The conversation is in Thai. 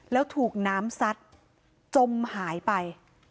แล้วถูกน้ำซัดจมหายไป